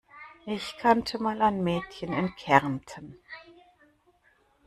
Ich kannte mal ein Mädchen in Kärnten.